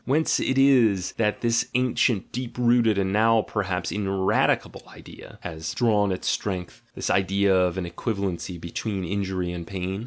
Whence is it that this ancient deep rooted and now perhaps in "GUILT" AND "BAD CONSCIENCE" 49 eradicable idea has drawn its strength, this idea of an equivalency between injury and pain?